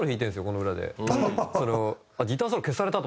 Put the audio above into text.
この裏で。